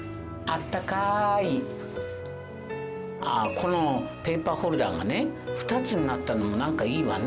このペーパーホルダーがね２つになったのもなんかいいわね。